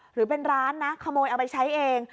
หรือเป็นร้านนะขโมยเอาไปใช้เอง